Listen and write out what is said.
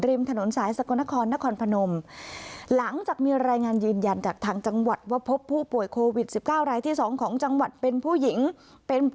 ริมถนนสายสกลนครนครพนม